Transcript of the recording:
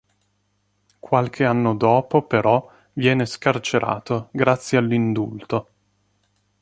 Qualche anno dopo però viene scarcerato, grazie all'indulto.